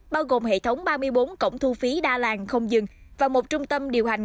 bao gồm hệ thống ba mươi bốn cổng thu phí đa làng không dừng và một trung tâm điều hành